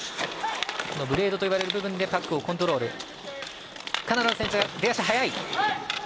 ブレードと呼ばれる部分でパックをコントロール。